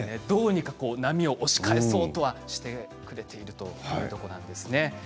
どうにか波を押し返そうとはしてくれているということなんですね。